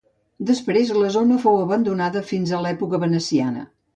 Després la zona fou abandonada fins a l'època veneciana.